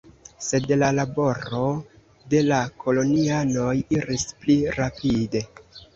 Sed la laboro de la kolonianoj iris pli rapide.